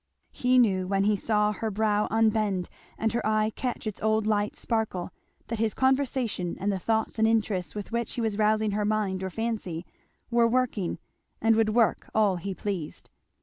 He knew when he saw her brow unbend and her eye catch its old light sparkle, that his conversation and the thoughts and interests with which he was rousing her mind or fancy, were working, and would work all he pleased.